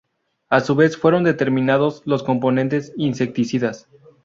A su vez fueron determinados los componentes insecticidas.